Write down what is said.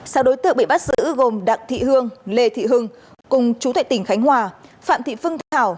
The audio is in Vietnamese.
sau đối tượng bị bắt giữ gồm đặng thị hương lê thị hưng cùng chú thệ tỉnh khánh hòa phạm thị phương thảo